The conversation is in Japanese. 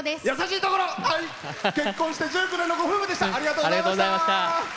優しいところです。